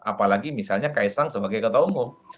apalagi misalnya kaisang sebagai ketua umum